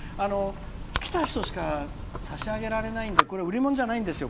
来た人しか差し上げられないんで売り物じゃないんですよ